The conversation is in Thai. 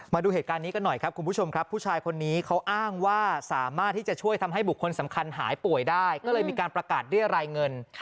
มาดูเหตุการณ์นี้กันหน่อยครับคุณผู้ชมครับผู้ชายคนนี้เขาอ้างว่าสามารถที่จะช่วยทำให้บุคคลสำคัญหายป่วยได้ก็เลยมีการประกาศเรียกรายเงิน